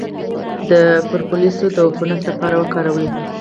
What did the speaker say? د پروپولیس د عفونت لپاره وکاروئ